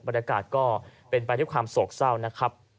บรรยากาศก็เป็นไปด้วยความโศกเศร้านะครับ